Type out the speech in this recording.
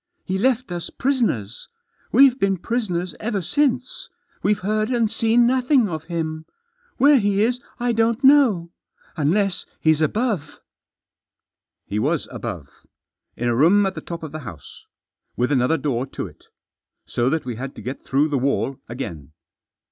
He left us prisoners. We've been prisoners ever since. We've heard and seen Digitized by 304 THE JOSS. nothing of him. Where he is I don't know. Unless he's above." He was above. In a room at the top of the house. With another door to it So that we had to get through the wall again.